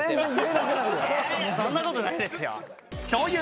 そんなことないですよ！という